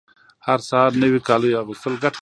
هر سهار نوي کالیو اغوستل ګټه لري